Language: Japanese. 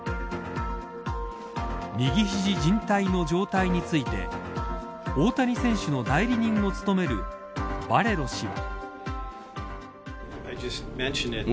右肘靱帯の状態について大谷選手の代理人を務めるバレロ氏は。